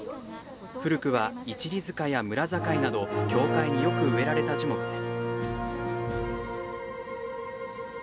古くは、一里塚や村境など境界によく植えられた樹木です。